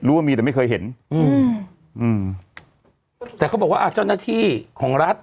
ว่ามีแต่ไม่เคยเห็นอืมอืมแต่เขาบอกว่าอ่ะเจ้าหน้าที่ของรัฐ